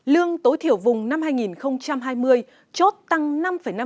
lương tối thiểu vùng năm hai nghìn hai mươi chốt tăng năm năm so với năm hai nghìn một mươi chín